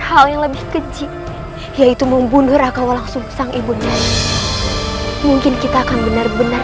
hal yang lebih kecil yaitu membunuh raka walang sengsara ibu nanti mungkin kita akan benar benar